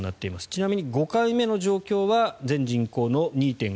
ちなみに５回目の状況は全人口の２．５２％